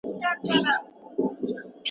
موږ باید د خپلي مځکي لپاره قرباني ورکړو.